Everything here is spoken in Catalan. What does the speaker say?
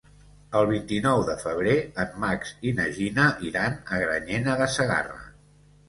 El vint-i-nou de febrer en Max i na Gina iran a Granyena de Segarra.